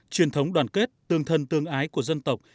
truyền thống đoàn kết tương thân tương ái của dân tộc